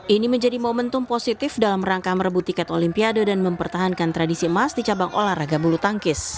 ini menjadi momentum positif dalam rangka merebut tiket olimpiade dan mempertahankan tradisi emas di cabang olahraga bulu tangkis